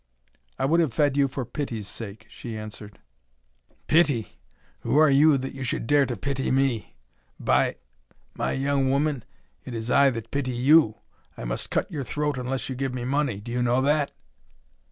"I would have fed you for pity's sake," she answered. "Pity! Who are you, that you should dare to pity me! By —, my young woman, it is I that pity you. I must cut your throat unless you give me money. Do you know that?"